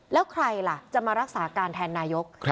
แล้วใครล่ะจะมารักษาการแทนนายก